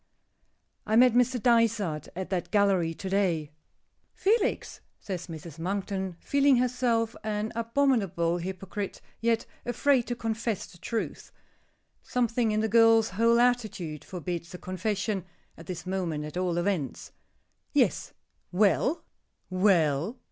I met Mr. Dysart at that gallery to day." "Felix?" says Mrs. Monkton, feeling herself an abominable hypocrite; yet afraid to confess the truth. Something in the girl's whole attitude forbids a confession, at this moment at all events. "Yes." "Well?" "Well?"